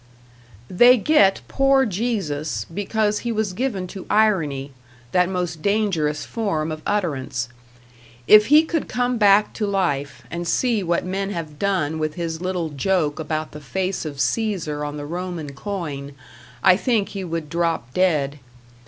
They get poor Jesus because he was given to irony, that most dangerous form of utterance. If he could come back to life, and see what men have done with his little joke about the face of Caesar on the Roman coin, I think he would drop dead.